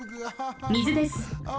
水です。